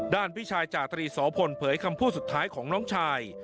พี่ชายจาตรีโสพลเผยคำพูดสุดท้ายของน้องชาย